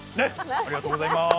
ありがとうございます。